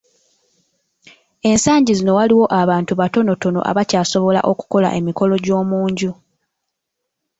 Ensangi zino waliwo abantu batonotono abakyasobola okukola emikolo egy’omu nju.